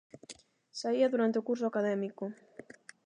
Saía durante o curso académico.